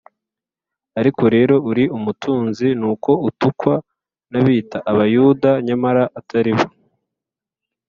(ariko rero uri umutunzi), n’uko utukwa n’abiyita Abayuda nyamara atari bo,